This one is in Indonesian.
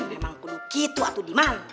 yang memang kuduki itu atu dimang